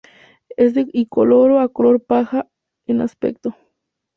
Es de incoloro a color paja en aspecto.